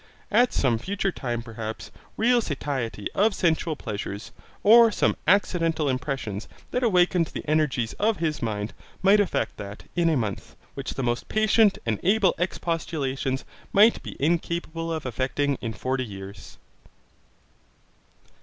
At some future time perhaps, real satiety of sensual pleasures, or some accidental impressions that awakened the energies of his mind, might effect that, in a month, which the most patient and able expostulations might be incapable of effecting in forty years.